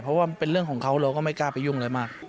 เพราะว่าเป็นเรื่องของเขาเราก็ไม่กล้าไปยุ่งอะไรมาก